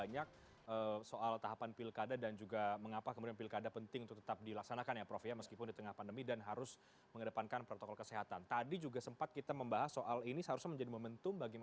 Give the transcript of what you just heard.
yang betul betul mampu